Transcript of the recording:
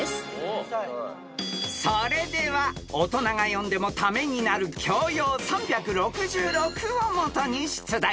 ［それでは大人が読んでもためになる『教養３６６』を基に出題］